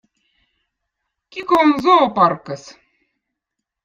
kukko on zooparkkõz